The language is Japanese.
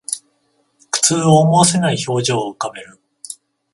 苦痛を思わせない表情を浮かべる